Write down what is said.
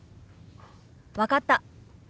分かった。